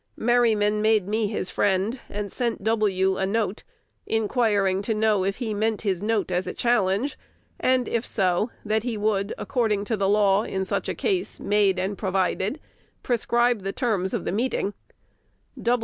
Merryman made me his friend, and sent W. a note, inquiring to know if he meant his note as a challenge, and, if so, that he would, according to the law in such case made and provided, prescribe the terms of the meeting.